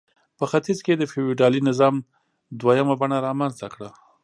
په ختیځ کې یې د فیوډالي نظام دویمه بڼه رامنځته کړه.